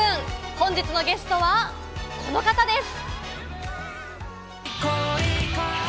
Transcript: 本日のゲストは、この方です！